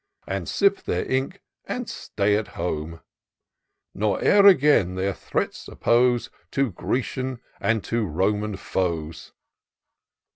And sip their ink, and stay at home ; Nor e'er again their threats oppose To Grecian and to Roman foes.'